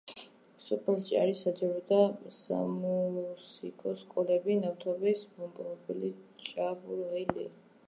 სოფელში არის საჯარო და სამუსიკო სკოლები, ნავთობის მომპოვებელი ჭაბურღილი.